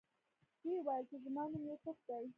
ویې ویل چې زما نوم یوسف دی.